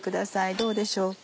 どうでしょうか？